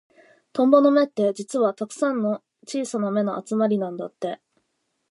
トンボの目って、実はたくさんの小さな目の集まりなんだって。